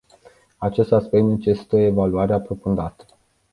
Acest aspect necesită o evaluare aprofundată.